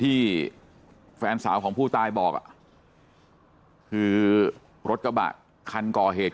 ที่แฟนสาวของผู้ตายบอกอ่ะคือรถกระบะคันก่อเหตุ